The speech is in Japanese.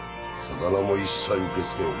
魚も一切受け付けん。